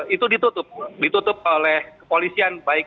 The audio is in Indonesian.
itu ditutup oleh kepolisian